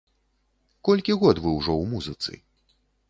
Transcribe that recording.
Колькі год вы ўжо ў музыцы?